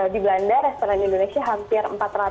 di belanda restoran indonesia hampir empat ratus